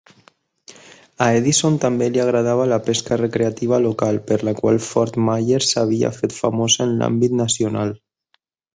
A Edison també li agradava la pesca recreativa local, per la qual Fort Myers s'havia fet famosa en l'àmbit nacional.